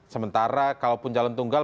sementara kalau pun calon tunggal